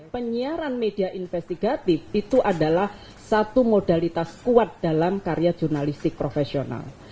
penyiaran media investigatif itu adalah satu modalitas kuat dalam karya jurnalistik profesional